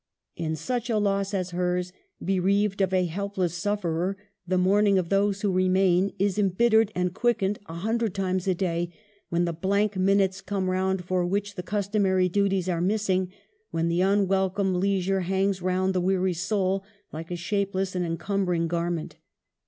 In such a loss as hers, be reaved of a helpless sufferer, the mourning of those who remain is imbittered and quickened a hundred times a day when the blank minutes come round for which the customary duties are missing, when the unwelcome leisure hangs round the weary soul like a shapeless and en cumbering garment.